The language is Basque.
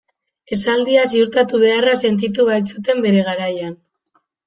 Esaldia ziurtatu beharra sentitu baitzuten bere garaian.